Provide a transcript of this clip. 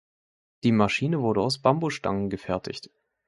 Die Maschine wurde aus Bambusstangen gefertigt.